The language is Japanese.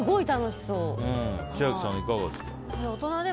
千秋さん、いかがですか。